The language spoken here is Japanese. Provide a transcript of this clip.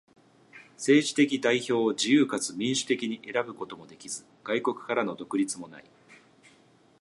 政治的代表を自由かつ民主的に選ぶこともできず、外国からの独立もない。